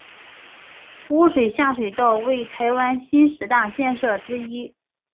污水下水道为台湾新十大建设之一。